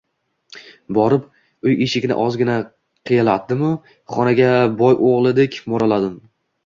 Borib, uy eshigini ozgina qiyalatdim-u, xonaga boyo‘g‘lidek mo‘raladim